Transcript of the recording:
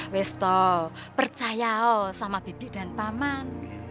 wisto percaya sama bibi dan paman